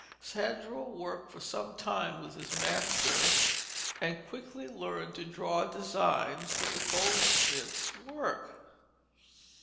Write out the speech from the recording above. Sandro worked for some time with his master, and quickly learned to draw designs for the goldsmith's work.